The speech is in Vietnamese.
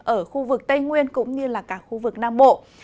ở khu vực tây nguyên cũng như là cả khu vực nam bộ